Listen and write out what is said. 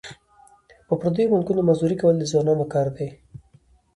په پردیو ملکونو مزدوري کول د ځوانانو کار دی.